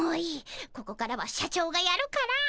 ここからは社長がやるから。